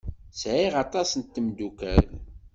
Sɛiɣ aṭas n tmeddukal.